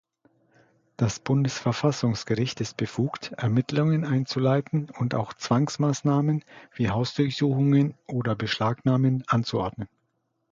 Das Bundesverfassungsgericht ist befugt, Ermittlungen einzuleiten und auch Zwangsmaßnahmen wie Hausdurchsuchungen oder Beschlagnahmen anzuordnen.